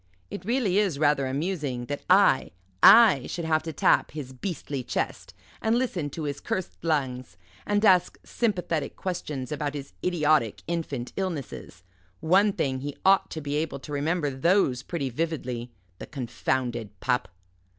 It really is rather amusing that I I should have to tap his beastly chest, and listen to his cursed lungs, and ask sympathetic questions about his idiotic infant illnesses one thing, he ought to be able to remember those pretty vividly the confounded pup."